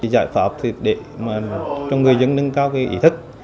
giải pháp thì để cho người dân nâng cao cái ý thức